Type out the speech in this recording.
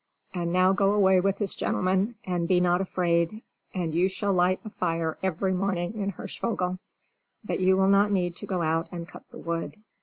And now go away with this gentleman, and be not afraid, and you shall light a fire every morning in Hirschvogel, but you will not need to go out and cut the wood."